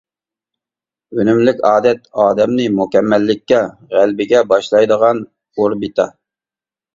ئۈنۈملۈك ئادەت ئادەمنى مۇكەممەللىككە، غەلىبىگە باشلايدىغان ئوربىتا.